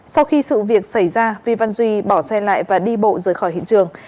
sau khi sự việc xảy ra vi văn duy bỏ xe lại và đi bộ rời khỏi hiện trường